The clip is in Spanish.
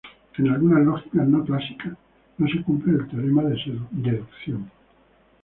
En algunas lógicas no clásicas, no se cumple el teorema de deducción.